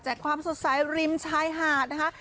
ความสดใสริมชายหาดนะคะ